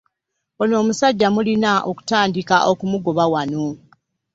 Ono omusajja mulina okutandika okumugoba wano.